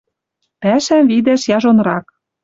Пӓшӓм видӓш яжонрак.